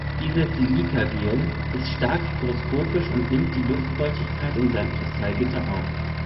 Dieses Silicagel ist stark hygroskopisch und nimmt die Luftfeuchtigkeit in seinem Kristallgitter auf.